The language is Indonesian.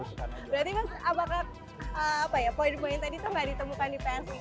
berarti mas apakah poin poin tadi tuh nggak ditemukan di psi